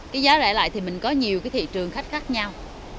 cái giá rẻ lại thì mình có nhiều cái thị trường khách khác nhau